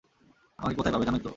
আমাকে কোথায় পাবে, জানোই তো।